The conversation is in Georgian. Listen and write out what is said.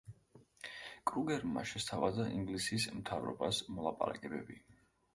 კრუგერმა შესთავაზა ინგლისის მთავრობას მოლაპარაკებები.